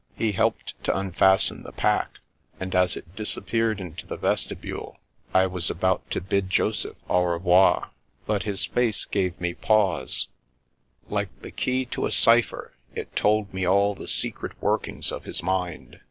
He helped to unfasten the pack, and as it disappeared into tiie vestibule, I was about to bid Joseph au revair. But his face gave me pause. 312 The Princess Passes Like the key to a cipher, it told me all the secret workings of his mind.